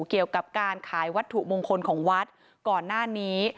เกี่ยวกับการขายวัตถุมงคลของวัดก่อนหน้านี้